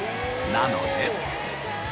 なので。